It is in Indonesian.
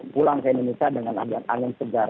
pulang ke indonesia dengan ada angin segar